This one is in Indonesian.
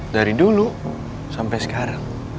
dari dulu sampai sekarang